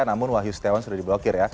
namun wahyu setiawan sudah diblokir ya